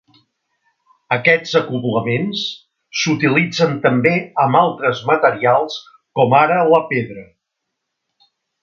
Aquests acoblaments s'utilitzen també amb altres materials com ara la pedra.